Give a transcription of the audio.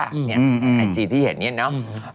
ไอจีที่เห็นเนี่ยเนาะ